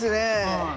はい。